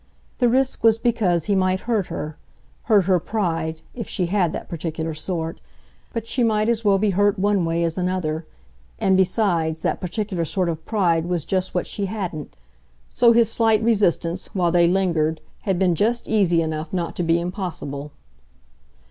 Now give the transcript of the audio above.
The risk was because he might hurt her hurt her pride, if she had that particular sort. But she might as well be hurt one way as another; and, besides, that particular sort of pride was just what she hadn't. So his slight resistance, while they lingered, had been just easy enough not to be impossible.